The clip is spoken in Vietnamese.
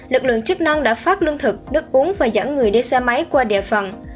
lực lượng chức năng đã phát lương thực đất uống và dẫn người đi xe máy qua địa phần